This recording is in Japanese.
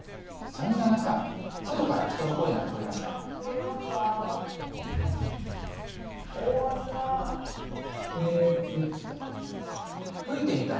そんな中、外から人の声が聞こえました。